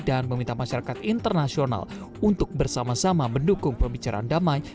dan meminta masyarakat internasional untuk bersama sama mendukung pembicaraan damai